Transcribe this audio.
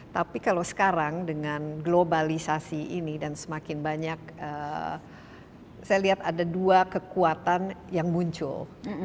tapi kalau sekarang dengan globalisasi ini dan semakin banyak saya lihat ada dua kekuatan yang muncul